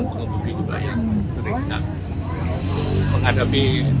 selang mengumpulkan juga yang sering kita menghadapi